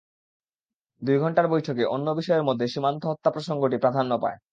দুই ঘণ্টার বৈঠকে অন্য বিষয়ের মধ্যে সীমান্ত হত্যা প্রসঙ্গটি প্রাধান্য পায়।